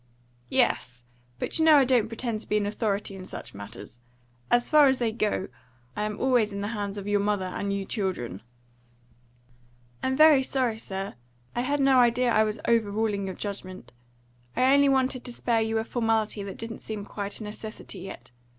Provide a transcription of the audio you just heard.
"Yes. But you know I don't pretend to be an authority in such matters. As far as they go, I am always in the hands of your mother and you children." "I'm very sorry, sir. I had no idea I was over ruling your judgment. I only wanted to spare you a formality that didn't seem quite a necessity yet.